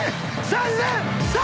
３，０００円。